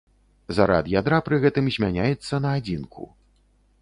Зарад ядра пры гэтым змяняецца на адзінку.